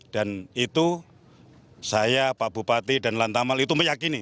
itu saya pak bupati dan lantamal itu meyakini